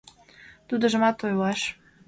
Тудыжымат ойлаш...